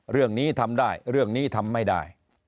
เรื่องนี้ทำได้เรื่องนี้ทำไม่ได้